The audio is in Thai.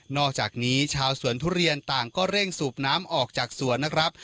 อกจากนี้ชาวสวนทุเรียนต่างก็เร่งสูบน้ำออกจากสวนนะครับ